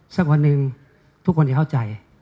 สักวันหนึ่งทุกคนจะเข้าใจ